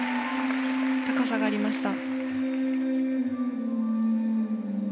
高さがありました。